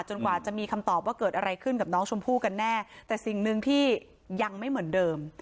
กว่าจะมีคำตอบว่าเกิดอะไรขึ้นกับน้องชมพู่กันแน่แต่สิ่งหนึ่งที่ยังไม่เหมือนเดิม